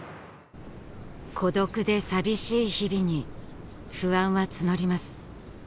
孤独で寂しい日々に不安は募ります